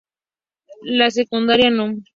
La Secundaria No.